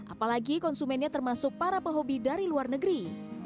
apalagi konsumennya termasuk para pehobi dari luar negeri